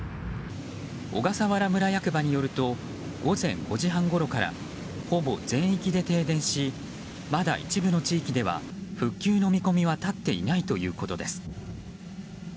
小笠原村役場によると午前５時半ごろからほぼ全域で停電しまだ一部の地域では復旧の見込みは立っていないということです。